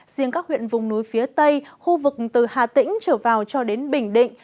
riêng các huyện vùng núi phía tây khu vực từ hà tĩnh trở vào cho đến bình định